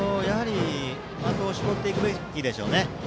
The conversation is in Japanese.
的を絞っていくべきでしょうね。